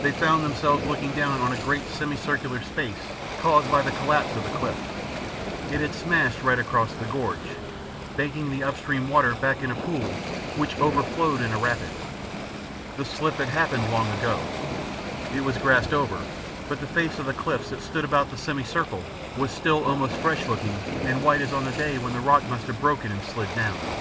They found themselves looking down on a great semi circular space caused by the collapse of the cliff. It had smashed right across the gorge, banking the up stream water back in a pool which overflowed in a rapid. The slip had happened long ago. It was grassed over, but the face of the cliffs that stood about the semicircle was still almost fresh looking and white as on the day when the rock must have broken and slid down.